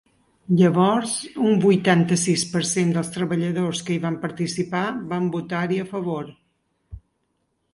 Llavors un vuitanta-sis per cent dels treballadors que hi van participar van votar-hi a favor.